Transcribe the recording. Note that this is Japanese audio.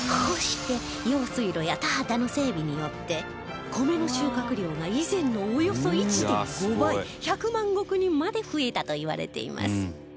こうして用水路や田畑の整備によって米の収穫量が以前のおよそ １．５ 倍１００万石にまで増えたといわれています